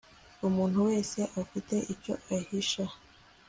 umuntu wese afite icyo ahisha